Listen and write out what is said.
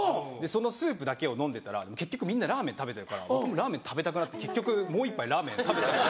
そのスープだけを飲んでたら結局みんなラーメン食べてるから僕もラーメン食べたくなって結局もう１杯ラーメン食べちゃった。